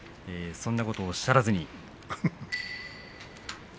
そんなことをおっしゃらずに。